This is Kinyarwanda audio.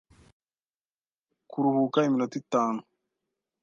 Nkeneye kuruhuka iminota itanu.